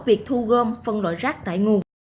việc thu gom phân loại rác tại nguồn